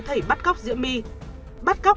thầy bắt góc diễm my bắt góc